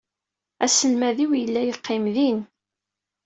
Aselmad-iw yella yeqqim din.